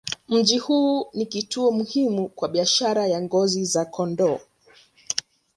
Mji huu ni kituo muhimu kwa biashara ya ngozi za kondoo.